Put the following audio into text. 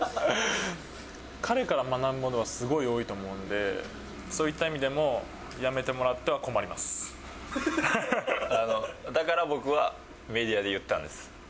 彼から学ぶものはすごい多いと思うんで、そういった意味でも、だから僕は、メディアで言ったんです。